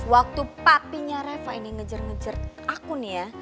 waktu papinya reva ini ngejar ngejar aku nih ya